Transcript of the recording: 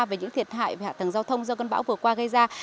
về những thiệt hại về hạ tầng giao thông do cơn bão vừa qua gây ra